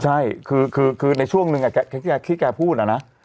ใช่คือในช่วงนึงที่แกพูดนะ